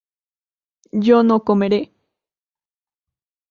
yo no comeré